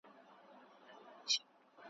تیارې به د قرنونو وي له لمره تښتېدلي ,